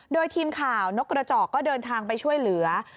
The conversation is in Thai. โดยทีมข่าวนกกระจอกก็เดินทางไปช่วยเหลือ